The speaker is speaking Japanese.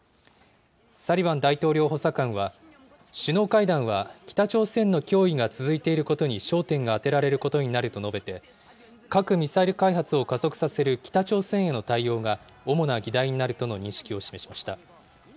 サリバン大統領補佐官は、首脳会談は北朝鮮の脅威が続いていることに焦点が当てられることになると述べて、核・ミサイル開発を加速させる北朝鮮への対応が主な議題になるとの認識を示しました。